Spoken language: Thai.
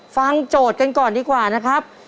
โจทย์กันก่อนดีกว่านะครับ